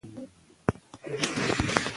د سولې لارې د انسانانه قضاوت پر بنسټ ولاړې دي.